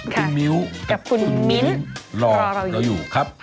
คุณมิ้วกับคุณมิ้นรอเราอยู่ครับ